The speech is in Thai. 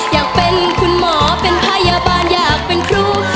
อยากเป็นคุณหมอเป็นพยาบาลอยากเป็นครู